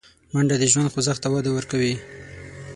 منډه د ژوند خوځښت ته وده ورکوي